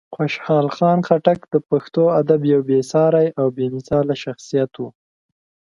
خوشحال خان خټک د پښتو ادب یو بېساری او بېمثاله شخصیت و.